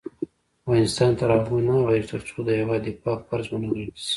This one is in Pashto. افغانستان تر هغو نه ابادیږي، ترڅو د هیواد دفاع فرض ونه ګڼل شي.